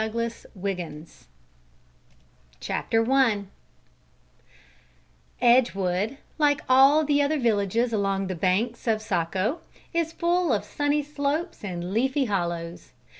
August, 1907 CHAPTER I Edgewood, like all the other villages along the banks of the Saco, is full of sunny slopes and leafy hollows.